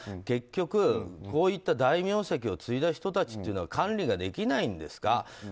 結局、こういった大名跡を継いだ人たちは管理ができないんですか。